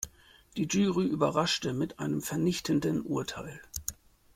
Die Jury überrascht mit einem vernichtenden Urteil.